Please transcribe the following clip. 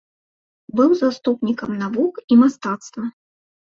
Быў заступнікам навук і мастацтва.